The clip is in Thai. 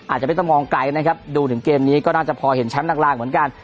อาจจะไม่ต้องมองไกลนะครับดูถึงเกมนี้ก็น่าจะพอเห็นแชมป์ลางเหมือนกัน